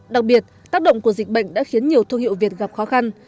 đặc biệt tác động của dịch bệnh đã khiến nhiều thương hiệu việt gặp khó khăn